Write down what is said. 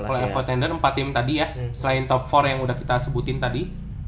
kalau f empat tim tadi ya selain top empat yang udah kita sebutin tadi